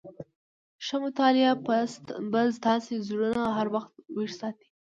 ښه مطالعه به ستاسي زړونه هر وخت ويښ ساتي.